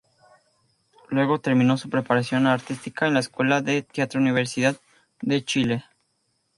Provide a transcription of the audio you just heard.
Luego terminó su preparación artística en la Escuela de Teatro Universidad de Chile.